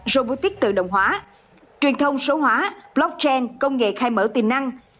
robotic tự động hóa truyền thông số hóa blockchain công nghệ khai mở tiềm năng